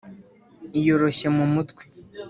iyoroshye mu mutwe